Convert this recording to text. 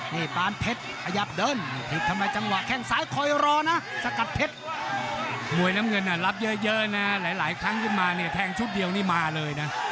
หลายครั้งขึ้นมาเนี่ยแทงชุดเดียวนี่มาเลยนะ